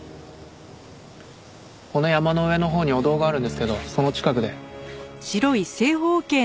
この山の上のほうに御堂があるんですけどその近くで。